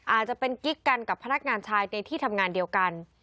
อาจจะเป็นกิ๊กกันกับพนักงานชายในที่ทำงานเดียวกัน